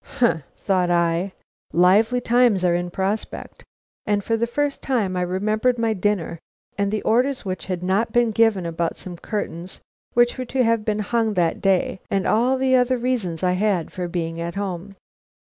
"Humph!" thought I, "lively times are in prospect," and for the first time I remembered my dinner and the orders which had not been given about some curtains which were to have been hung that day, and all the other reasons I had for being at home.